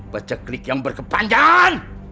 peceklik yang berkepanjangan